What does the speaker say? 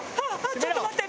ちょっと待って！